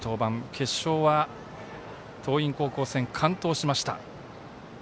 決勝は、桐蔭高校戦完投しました。